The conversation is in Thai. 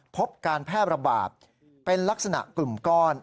พบการแพร่ระบาดเป็นลักษณะกลุ่มก้อน